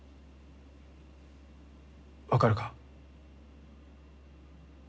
分かるか？